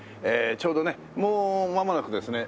ちょうどねもうまもなくですね